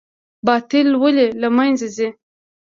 باطل ولې له منځه ځي؟